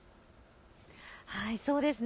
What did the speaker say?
そうですね。